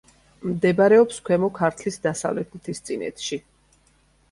მდებარეობს ქვემო ქართლის დასავლეთ მთისწინეთში.